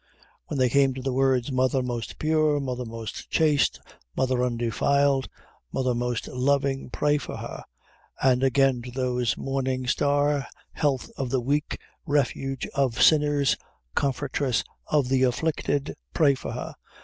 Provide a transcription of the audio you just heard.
When they came to the words, "Mother most pure, Mother most chaste, Mother undefiled, Mother most loving, pray for her!" and again to those, "Morning Star, Health of the Weak, Refuge of Sinners, Comfortress of the Afflicted, pray for her!"